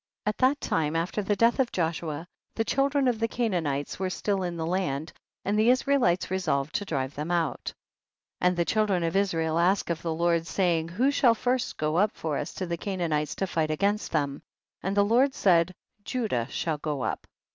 At that time, after the death of Joshua, the children of the Canaan ites Avere still in the land,, and the Israelites resolved to drive them out. THE BOOK OF JASHER. 267 2. And the children of Israel asked of the Lord, saying, who shall first go up for us to the Canaanites to fight against them ? and the Lord said, Judah shall go up.